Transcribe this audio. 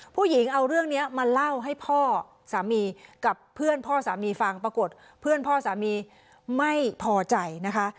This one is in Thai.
ผู้หญิงเอาเรื่องนี้มาเล่าให้พ่อสามีกับเพื่อนพ่อสามีฟังปรากฏเพื่อนพ่อสามีไม่พอใจนะคะ